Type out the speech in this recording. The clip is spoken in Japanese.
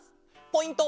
ポイント